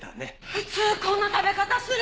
普通こんな食べ方する！？